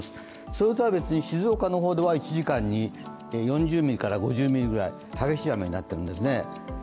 それとは別に静岡の方では１時間に４０ミリから５０ミリぐらい激しい雨になっているんですね。